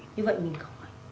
như vậy mình khỏi